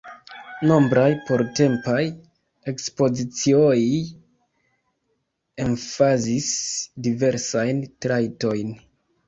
Nombraj portempaj ekspozicioij emfazis diversajn trajtojn.